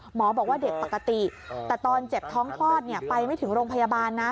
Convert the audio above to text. หมอบอกว่าเด็กปกติแต่ตอนเจ็บท้องคลอดไปไม่ถึงโรงพยาบาลนะ